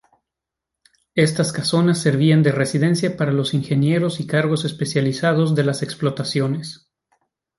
Estas casonas servían de residencia para los ingenieros y cargos especializados de las explotaciones.